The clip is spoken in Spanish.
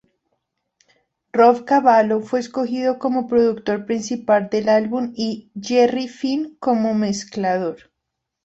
Rob Cavallo fue escogido como productor principal del álbum y Jerry Finn como mezclador.